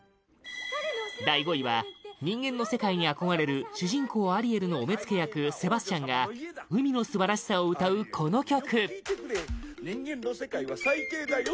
第５位は人間の世界に憧れる主人公アリエルのお目付け役セバスチャンが海の素晴らしさを歌うこの曲セバスチャン：人間の世界は最低だよ。